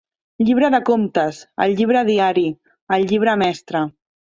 Llibre de comptes, el llibre diari, el llibre mestre.